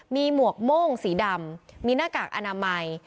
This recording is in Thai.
มีหมวกโม่งสีดำมีหน้ากากอนามัย